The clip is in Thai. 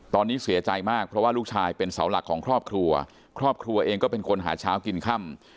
ตอนนี้เสียใจมากเพราะว่าลูกชายเป็นเสาหลักของครอบครัวครอบครัวเองก็เป็นคนหาเช้ากินค่ำ